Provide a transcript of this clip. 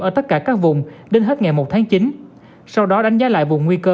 ở tất cả các vùng đến hết ngày một tháng chín sau đó đánh giá lại vùng nguy cơ